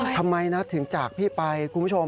ทำไมนะถึงจากพี่ไปคุณผู้ชม